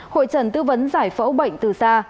hội trần tư vấn giải phẫu bệnh từ xa